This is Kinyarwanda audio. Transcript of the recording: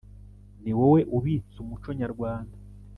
ni wowe ubitse umuco nyarwanda